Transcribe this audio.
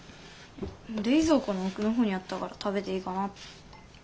冷蔵庫の奥の方にあったから食べていいかなって。